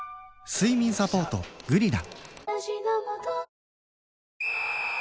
睡眠サポート「グリナ」